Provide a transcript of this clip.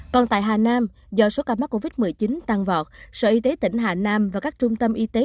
còn tại hà nam do số ca mắc covid một mươi chín tăng vọt sở y tế tỉnh hà nam và các trung tâm y tế